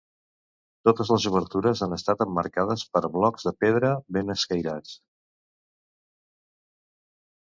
Totes les obertures han estat emmarcades per blocs de pedra ben escairats.